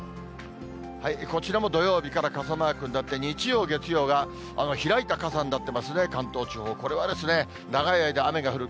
こちらも土曜日から傘マークになって、日曜、月曜が開いた傘になっていますね、関東地方、これは長い間、雨が降る。